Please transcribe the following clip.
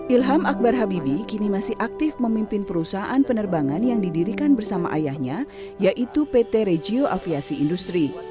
ilham akbar habibie kini masih aktif memimpin perusahaan penerbangan yang didirikan bersama ayahnya yaitu pt regio aviasi industri